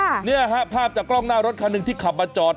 มันถึงชนเกลียดอะไรวะครับครับภาพจากกล้องหน้ารถคันหนึ่งที่ขับมาจอด